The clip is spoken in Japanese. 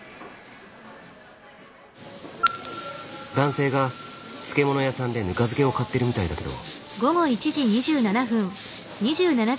男性が漬物屋さんでぬか漬けを買ってるみたいだけど。